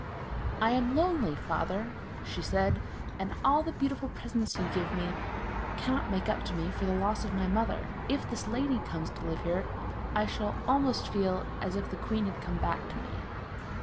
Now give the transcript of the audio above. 'I am lonely, father,' she said, 'and all the beautiful presents you give me cannot make up to me for the loss of my mother. If this lady comes to live here I shall almost feel as if the queen had come back to me.'